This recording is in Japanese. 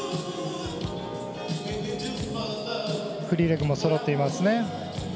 フリー・レッグもそろっています。